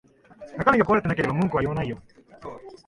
中身が壊れてなければ文句は言わないよ